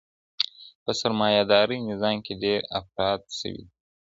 په سرمایه دارۍ نظام کي ډېر افراط سوی دی.